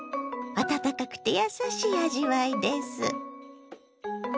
温かくてやさしい味わいです。